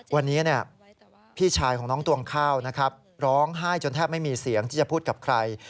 วันนี้พี่ชายของน้องตวงข้าวนะครับร้องไห้จนแทบไม่มีเสียงที่จะพูดกับใคร